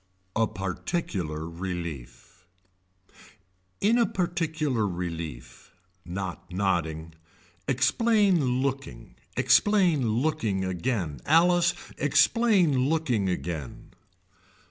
A particular relief In a particular relief. Not nodding. Explain looking. Explain looking again. Alice explain looking again.